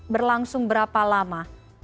berlangsung berapa lama